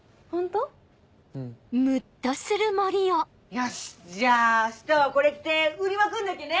よしじゃあ明日はこれ着て売りまくんなきゃね！